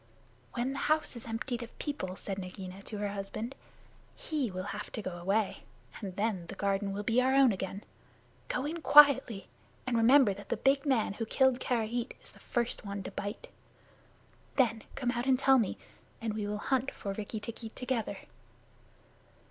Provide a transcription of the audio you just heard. "When the house is emptied of people," said Nagaina to her husband, "he will have to go away, and then the garden will be our own again. Go in quietly, and remember that the big man who killed Karait is the first one to bite. Then come out and tell me, and we will hunt for Rikki tikki together."